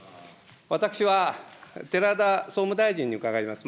私は寺田総務大臣に伺います。